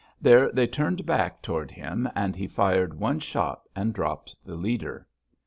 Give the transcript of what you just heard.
There they turned back toward him and he fired one shot and dropped the leader.